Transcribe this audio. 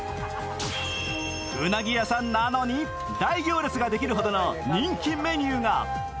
うなぎ屋さんなのに大行列ができるほどの人気メニューが。